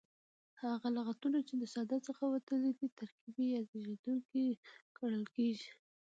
هغه لغتونه، چي د ساده څخه وتلي دي ترکیبي یا زېږېدونکي کڼل کیږي.